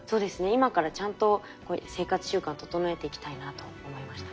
今からちゃんと生活習慣を整えていきたいなと思いました。